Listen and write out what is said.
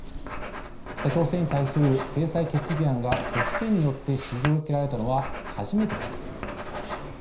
北朝鮮に対する制裁決議案が拒否権によって退けられたのは初めてでした。